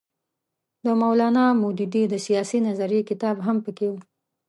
د مولانا مودودي د سیاسي نظریې کتاب هم پکې وو.